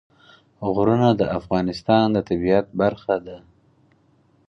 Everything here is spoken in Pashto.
غرونه د افغانستان د طبیعت برخه ده.